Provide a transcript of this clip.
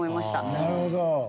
なるほどね！